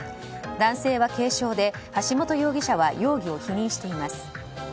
男性は軽傷で、橋本容疑者は容疑を否認しています。